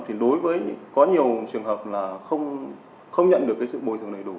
thì đối với có nhiều trường hợp là không nhận được cái sự bồi thường đầy đủ